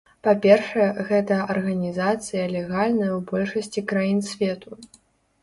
Па-першае, гэтая арганізацыя легальная ў большасці краін свету.